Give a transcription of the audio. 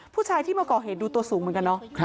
ผู้ชายที่มาก่อเหตุดูตัวสูงเหมือนกันเนอะ